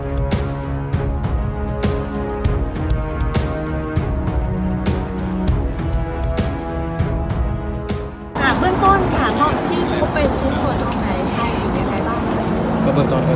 หาทบทวนในยังเกราะ